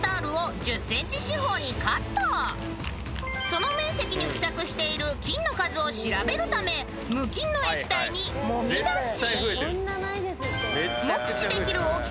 ［その面積に付着している菌の数を調べるため無菌の液体にもみだし］